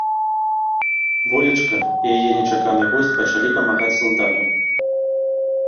Волечка і яе нечаканы госць пачалі памагаць салдату.